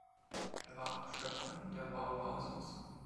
Er war auch Schöpfer der Wow-Wow-Soße.